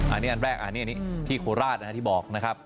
อันนี้อันแรกอันนี้ที่โคราชที่บอกนะครับ